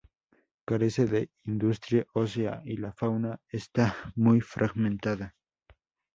Carece de industria ósea y la fauna está muy fragmentada.